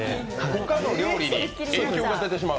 他の料理に影響が出てしまう？